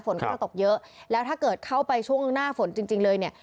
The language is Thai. ฝนก็จะตกเยอะแล้วถ้าเกิดเข้าไปช่วงหน้าฝนจริงเลยเนี่ย